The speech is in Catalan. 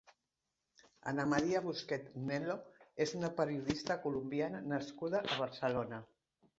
Ana María Busquets Nel·lo és una periodista colombiana nascuda a Barcelona.